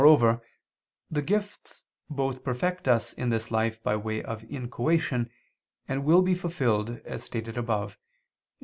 Moreover the gifts both perfect us in this life by way of inchoation, and will be fulfilled, as stated above (I II, Q.